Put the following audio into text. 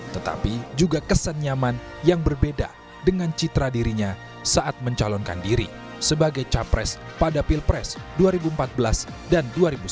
tetapi juga kesan nyaman yang berbeda dengan citra dirinya saat mencalonkan diri sebagai capres pada pilpres dua ribu empat belas dan dua ribu sembilan belas